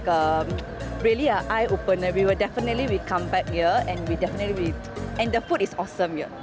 kita pasti akan kembali ke sini dan makanan ini sangat bagus